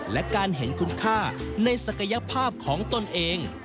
และการเห็นคุณค่าในศักยภาพของตนเอง